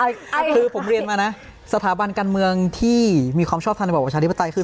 คือผมเรียนมานะสถาบันการเมืองที่มีความชอบทำระบบประชาธิปไตยคือ